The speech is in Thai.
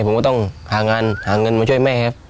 ผมก็ต้องหางานหาเงินมาช่วยแม่ครับ